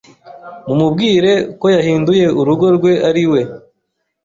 mumubwire ko yahinduye urugo rwe ari we